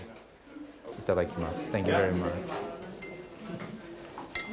いただきます。